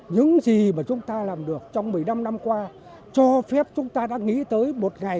những gì mà chúng ta làm được trong một mươi năm năm qua cho phép chúng ta đã nghĩ tới một ngày